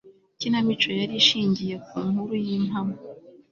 ikinamico yari ishingiye ku nkuru y'impamo